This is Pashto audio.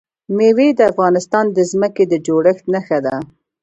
مېوې د افغانستان د ځمکې د جوړښت نښه ده.